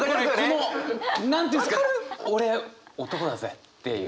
俺男だぜっていう。